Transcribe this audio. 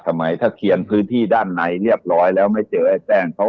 ทำไมถ้าเขียนพื้นที่ด้านในเรียบร้อยแล้วไม่เจอให้แจ้งเขา